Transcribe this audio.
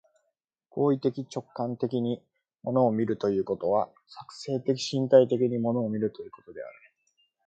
行為的直観的に物を見るということは、制作的身体的に物を見ることである。